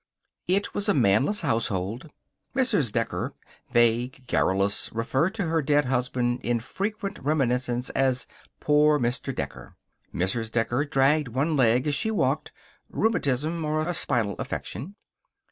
It was a manless household. Mrs. Decker, vague, garrulous, referred to her dead husband, in frequent reminiscence, as poor Mr. Decker. Mrs. Decker dragged one leg as she walked rheumatism, or a spinal affection.